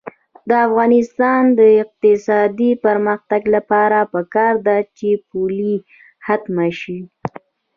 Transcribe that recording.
د افغانستان د اقتصادي پرمختګ لپاره پکار ده چې پولیو ختمه شي.